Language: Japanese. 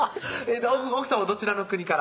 どちらの国から？